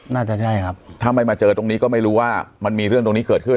น่าจะใช่ครับถ้าไม่มาเจอตรงนี้ก็ไม่รู้ว่ามันมีเรื่องตรงนี้เกิดขึ้น